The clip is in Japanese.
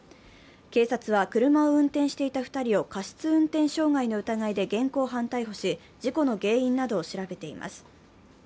警察は車を運転していた２人を過失運転傷害の疑いで現行犯逮捕し、事故の原因などを調べています。